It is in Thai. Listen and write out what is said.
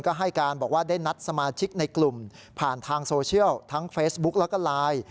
ก็ให้การบอกว่าได้นัดสมาชิกในกลุ่มผ่านทางโซเชียลทั้งเฟซบุ๊กแล้วก็ไลน์